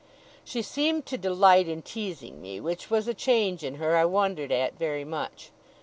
She seemed to delight in teasing me, which was a change in her I wondered at very much.